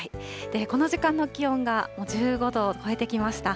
この時間の気温がもう１５度を超えてきました。